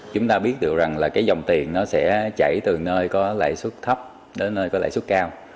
chúng ta biết được rằng là cái dòng tiền nó sẽ chảy từ nơi có lãi suất thấp đến nơi có lãi suất cao